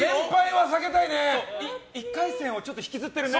１回戦を引きずってるね。